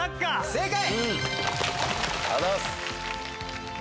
正解！